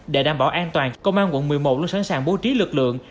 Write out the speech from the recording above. để đảm bảo an toàn công an quận một mươi một luôn sẵn sàng bố trí lực lượng